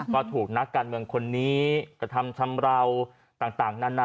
ก็ถูกนักการเมืองคนนี้กระทำชำราวต่างนานา